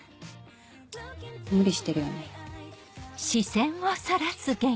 無理してるよね。